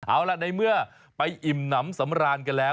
เอาล่ะในเมื่อไปอิ่มน้ำสำราญกันแล้ว